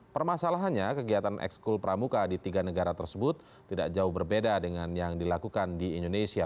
permasalahannya kegiatan ekskul pramuka di tiga negara tersebut tidak jauh berbeda dengan yang dilakukan di indonesia